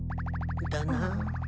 だな。